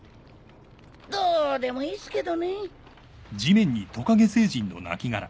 どうでもいいっすけどね。